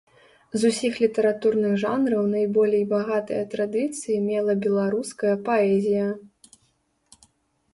З усіх літаратурных жанраў найболей багатыя традыцыі мела беларуская паэзія.